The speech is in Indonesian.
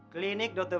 guru pak tahu ya